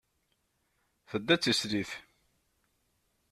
Tedda d tislit.